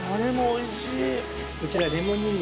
こちら。